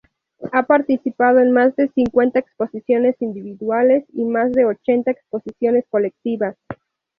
Ha participado en más de cincuenta exposiciones individuales y más de ochenta exposiciones colectivas.